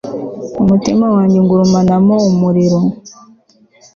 umutima wanjye ungurumanamo umuriro